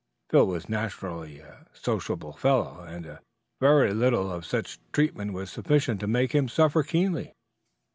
Phil was naturally a sociable fellow, and a very little of such treatment was sufficient to make him suffer keenly.